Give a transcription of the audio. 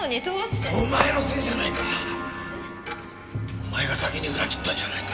お前が先に裏切ったんじゃないか。